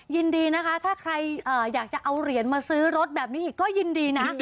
ยินดีนะคะถ้าใครอยากจะเอาเหรียญมาซื้อรถแบบนี้อีกก็ยินดีนะ